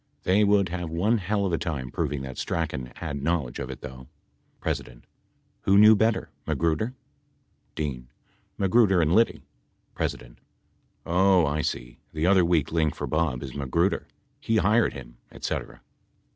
They would have one hell of a time proving that Strachan had knowledge of it, though. P. Who knew better ? Magruder ? D. Magruder and Liddy. P. Oh, I see. The other weak link for Bob is Magruder, he hired him et cetera.